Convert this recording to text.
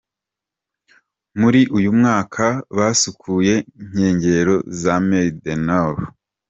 Muri uyu mwaka basukuye inkengero za Mer du Nord.